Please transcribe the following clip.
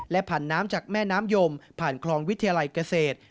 และผ่านน้ำจากแม่น้ำยมผ่านคลองวิทยาลัยเกษตร